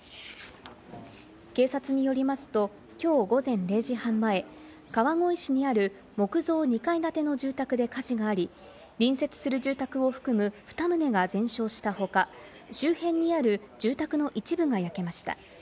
警察によりますと今日午前０時半前、川越市にある木造２階建ての住宅で火事があり、隣接する住宅を含む、２棟が全焼したほか、周辺にある住宅の一部が焼けました。